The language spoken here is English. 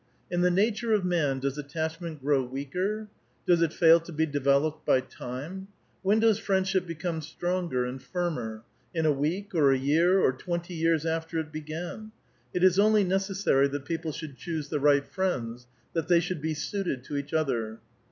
" In the nature of man does attachment grow weaker? does it fail to be developed by time ? When does friendship become stronger and firmer? in a week, or a year, or twenty years after it began ? It is only necessary that people should choose the right friends ; that they should be suited to each other."